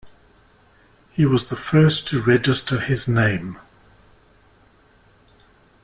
He was the first to register his name.